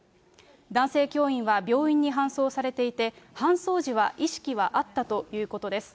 男性教員は病院に搬送されていて、搬送時は意識はあったということです。